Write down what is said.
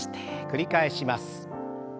繰り返します。